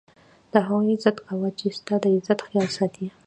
د هغو عزت کوه، چي ستا دعزت خیال ساتي.